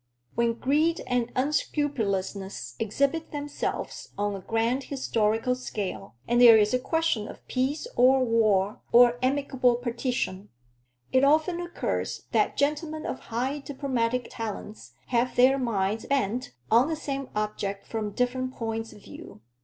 When greed and unscrupulousness exhibit themselves on a grand historical scale, and there is a question of peace or war or amicable partition, it often occurs that gentlemen of high diplomatic talents have their minds bent on the same object from different points of view.